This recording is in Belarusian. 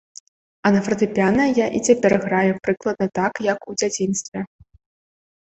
А на фартэпіяна я і цяпер граю прыкладна так, як у дзяцінстве.